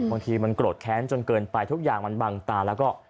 บางทีมันโกรธแค้นจนเกินไปทุกอย่างมันบังตาแล้วก็